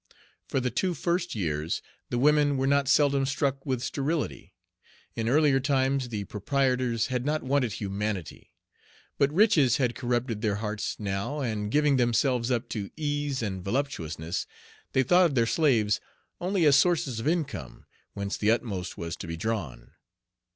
For the two first years the women were not seldom struck with sterility. In earlier times, the proprietors had not wanted humanity; but riches had corrupted their hearts now; and giving themselves up to ease and voluptuousness, they thought of their slaves only as sources of income, whence the utmost was to be drawn.